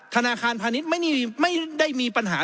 ธนาคารพาณิชย์ไม่ได้มีปัญหา